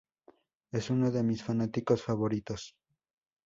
es uno de mis fanáticos favoritos